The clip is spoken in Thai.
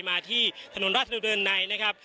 มาที่ถนนราชเทศดลเดินในนะครับ